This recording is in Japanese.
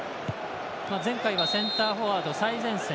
前回はセンターフォワード最前線。